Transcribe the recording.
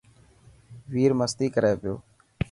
وير مستي ڪر ٿو.